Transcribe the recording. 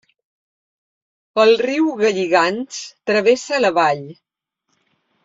El riu Galligants travessa la vall.